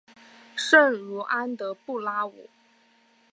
圣茹安德布拉武。